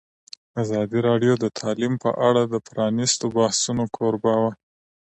ازادي راډیو د تعلیم په اړه د پرانیستو بحثونو کوربه وه.